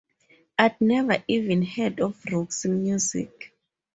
I'd never even heard of Roxy Music.